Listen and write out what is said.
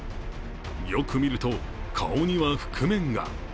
よく見ると顔には覆面が。